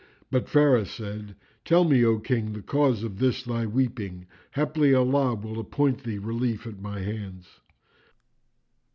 But Faris said, "Tell me, O King, the cause of this thy weeping, haply Allah will appoint thee relief at my hands."